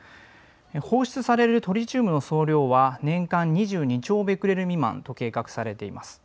放出されるトリチウムの総量は年間２２兆ベクレル未満と計画されています。